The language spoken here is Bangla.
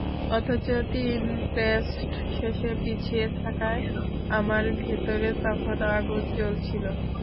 অথচ তিন টেস্ট শেষে পিছিয়ে থাকায় আমার ভেতরে তখন আগুন জ্বলছিল।